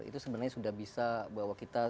itu sebenarnya sudah bisa bahwa kita